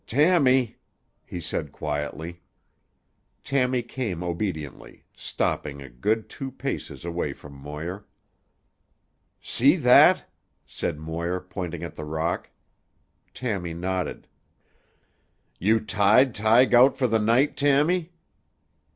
"Tammy," he said quietly. Tammy came obediently, stopping a good two paces away from Moir. "See that?" said Moir, pointing at the rock. Tammy nodded. "You tied Tige out for tuh night, Tammy?"